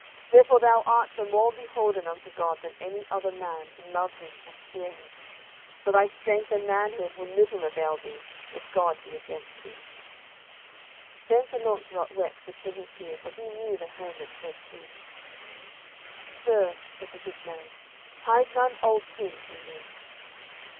Therefore thou art the more beholden unto God than any other man to love Him and fear Him; for thy strength and manhood will little avail thee if God be against thee." Then Sir Launcelot wept with heavy cheer, for he knew the hermit said sooth. "Sir," said the good man, "hide none old sin from me."